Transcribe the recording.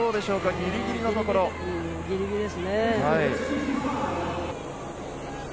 ギリギリですね。